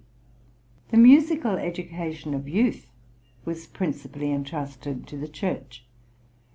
The musical education of youth was principally intrusted to the Church.